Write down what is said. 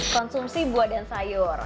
konsumsi buah dan sayur